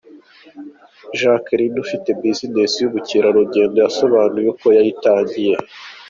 Jacqueline ufite business y'ubukerarugendo yasobanuye uko yayitangiye.